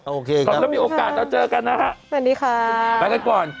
โอเคครับตอนนี้มีโอกาสเราเจอกันนะฮะสวัสดีครับ